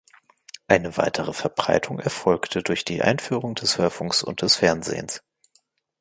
Eine weitere Verbreitung erfolgte durch die Einführung des Hörfunks und des Fernsehens.